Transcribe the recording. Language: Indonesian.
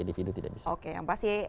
individu tidak bisa oke yang pasti